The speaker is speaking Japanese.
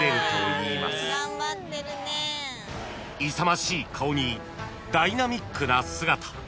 ［勇ましい顔にダイナミックな姿］